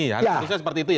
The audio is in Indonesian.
artinya seperti itu ya